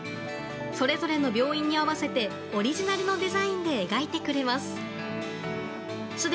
それぞれの病院に合わせてオリジナルのデザインで描いてくれます。